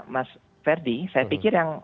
mas ferdi saya pikir yang